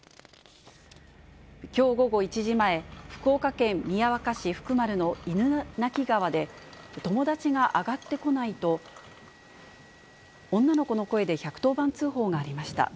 きょう午後１時前、福岡県宮若市福丸の犬鳴川で、友達が上がってこないと、女の子の声で１１０番通報がありました。